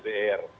itu adalah dpr